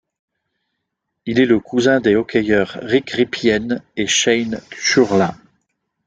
Il est le cousin des hockeyeurs Rick Rypien et Shane Churla.